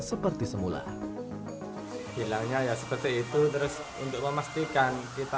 seperti semula hilangnya ya seperti itu terus untuk memastikan kita